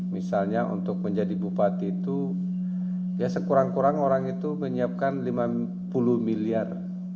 misalnya untuk menjadi bupati itu ya sekurang kurang orang itu menyiapkan lima puluh miliar